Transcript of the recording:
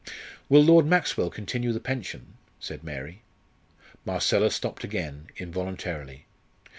"Will Lord Maxwell continue the pension?" said Mary. Marcella stopped again, involuntarily.